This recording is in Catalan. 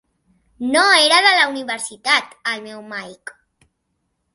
No era de la universitat, el meu Mike.